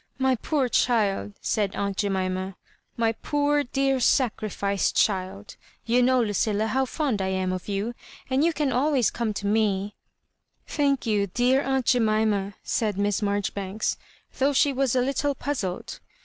*<My poor child," said aunt Jemima —my poor, dear, sacrificed child I you know, Lu dUa, how fond I am of you, and you can always come to me ^"'* Thank you, dear aunt Jemuna," said Miss Marjoribanks, though she was a little puzzled.